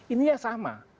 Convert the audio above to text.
ini ya sama